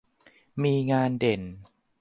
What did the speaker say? มีงานเด่น